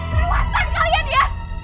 lewatan kalian ya